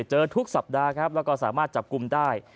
เจอทุกสัปดาห์ครับแล้วก็สามารถจับกลุ่มได้